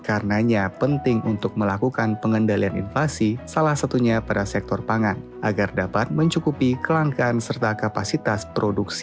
karenanya penting untuk melakukan pengendalian inflasi salah satunya pada sektor pangan agar dapat mencukupi kelangkaan serta kapasitas produksi